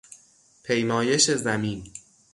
پیمایش زمین